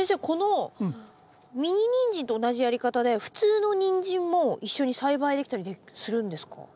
このミニニンジンと同じやり方で普通のニンジンも一緒に栽培できたりするんですか？